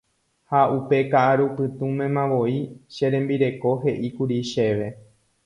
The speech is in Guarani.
Ha upe ka'arupytũmemavoi che rembireko he'íkuri chéve.